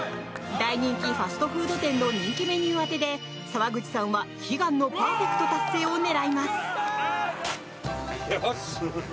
大人気ファストフード店の人気メニュー当てで沢口さんは悲願のパーフェクト達成を狙います。